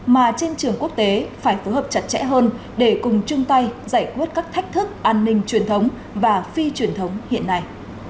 mà trên trường quốc tế phải phối hợp chặt chẽ hơn để cùng chung tay giải quyết các thách thức an ninh truyền thống và phi truyền thống hiện nay